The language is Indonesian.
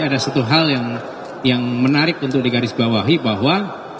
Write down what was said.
ada satu hal yang menarik untuk digarisbawahi bahwa